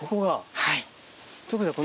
はい。